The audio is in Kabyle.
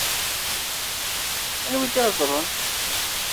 Anwa i d-iheḍṛen?